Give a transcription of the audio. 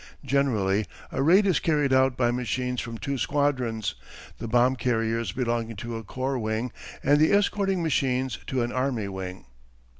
Generally a raid is carried out by machines from two squadrons, the bomb carriers belonging to a corps wing and the escorting machines to an army wing.